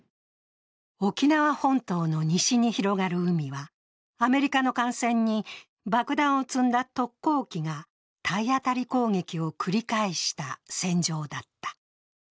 沖縄本島の西に広がる海は、アメリカの艦船に爆弾を積んだ特攻機が体当たり攻撃を繰り返した戦場だった。